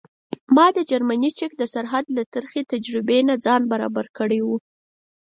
ما د جرمني چک د سرحد له ترخې تجربې نه ځان برابر کړی و.